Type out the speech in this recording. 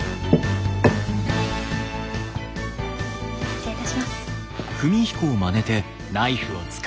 失礼いたします。